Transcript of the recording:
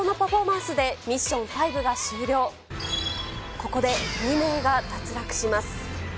ここで２名が脱落します。